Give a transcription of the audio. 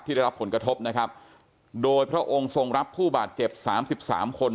ที่ได้รับผลกระทบนะครับโดยพระองค์ทรงรับผู้บาดเจ็บ๓๓คน